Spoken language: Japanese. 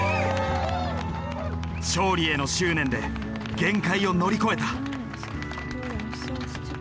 勝利への執念で限界を乗り越えた。